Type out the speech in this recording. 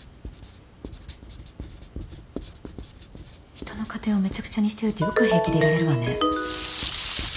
人の家庭をめちゃくちゃにしておいてよく平気でいられるわね。